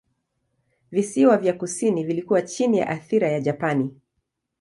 Visiwa vya kusini vilikuwa chini ya athira ya Japani.